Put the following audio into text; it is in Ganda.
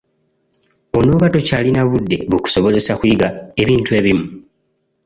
Onooba tokyalina budde bukusobozesa kuyiga ebintu ebimu.